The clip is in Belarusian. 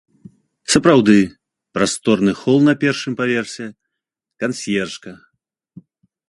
Сапраўды, прасторны хол на першым паверсе, кансьержка.